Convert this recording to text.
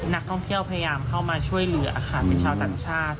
นักท่องเที่ยวพยายามเข้ามาช่วยเหลือค่ะเป็นชาวต่างชาติ